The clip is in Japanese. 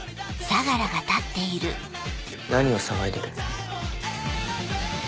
何を騒いでる？